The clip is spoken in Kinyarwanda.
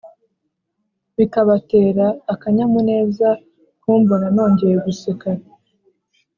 bikabatera akanyamuneza kumbona nongeye guseka